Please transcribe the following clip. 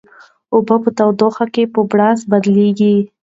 اوبه په تودوخه کې په بړاس بدلیږي.